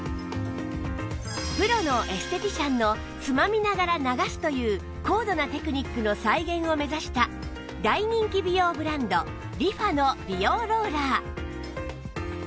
プロのエステティシャンのつまみながら流すという高度なテクニックの再現を目指した大人気美容ブランドリファの美容ローラー